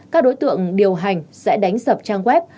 các đối tượng điều hành sẽ đánh sập trang web